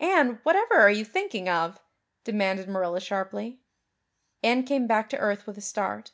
"Anne, whatever are you thinking of?" demanded Marilla sharply. Anne came back to earth with a start.